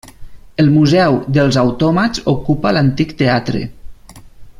El Museu dels autòmats ocupa l'antic teatre.